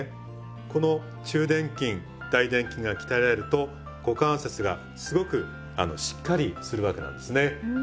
この中殿筋大殿筋が鍛えられると股関節がすごくしっかりするわけなんですね。